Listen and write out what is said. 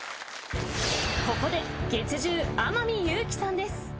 ここで月１０天海祐希さんです。